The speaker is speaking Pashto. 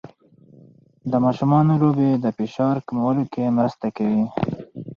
د ماشومانو لوبې د فشار کمولو کې مرسته کوي.